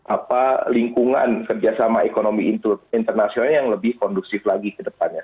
apa lingkungan kerjasama ekonomi internasional yang lebih kondusif lagi ke depannya